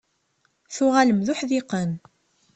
Tuɣalem d uḥdiqen.